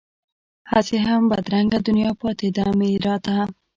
هسې هم بدرنګه دنیا پاتې ده میراته